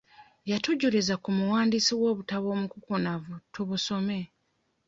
Yatujuliza ku muwandiisi w'obutabo omukukunavu tubusome.